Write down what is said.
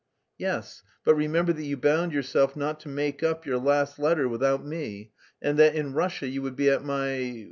"Yes, but remember that you bound yourself not to make up your last letter without me and that in Russia you would be at my...